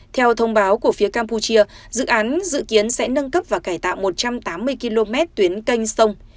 theo thông báo của phía campuchia dự án dự kiến sẽ nâng cấp và cải tạo một trăm tám mươi km tuyến canh sông